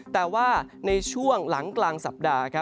แต่ว่าในช่วงหลังกลางสัปดาห์